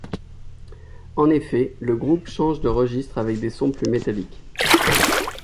En effet le groupe change de registre avec des sons plus métalliques.